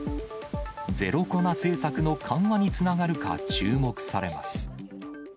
ゼロコロナ政策の緩和につながるか注目されます。